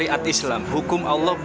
ya pak ustadz tolong pak ustadz